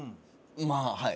まあはい。